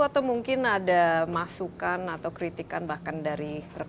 atau mungkin ada masukan atau kritikan bahkan dari rekan